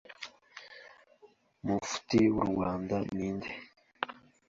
Mufti w’u Rwanda ninde